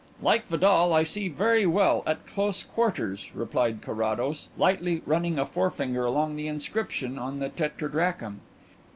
"Like Vidal, I see very well at close quarters," replied Carrados, lightly running a forefinger along the inscription on the tetradrachm.